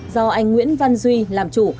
do anh nguyễn văn duy làm chủ